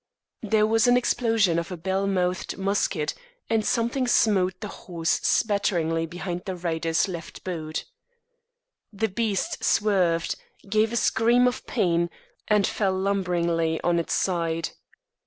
There was the explosion of a bell mouthed musket, and something smote the horse spatteringly behind the rider's left boot. The beast swerved, gave a scream of pain, fell lumberingly on its side.